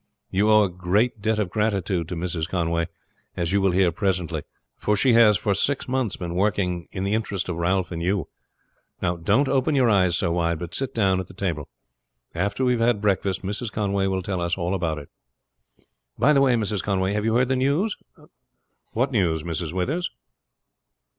"You owe a great debt of gratitude to Mrs. Conway, as you will hear presently; for she has for six months been working in the interest of Ralph and you. Now, don't open your eyes so wide, but sit down to the table. After we have had breakfast Mrs. Conway will tell us all about it." "By the way, Mrs. Conway, have you heard the news?" "What news, Mrs. Withers?"